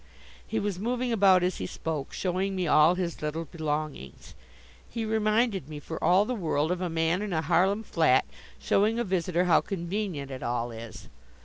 He was moving about as he spoke, showing me all his little belongings. He reminded me for all the world of a man in a Harlem flat, showing a visitor how convenient it all is.